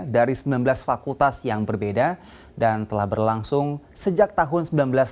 dari sembilan belas fakultas yang berbeda dan telah berlangsung sejak tahun seribu sembilan ratus sembilan puluh